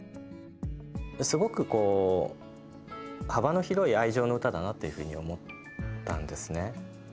すごくこう幅の広い愛情の歌だなというふうに思ったんですね。